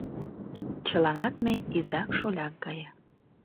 Чыланат ме изак-шоляк гае